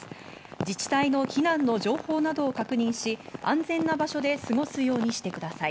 自治体の避難の情報などを確認し、安全な場所で過ごすようにしてください。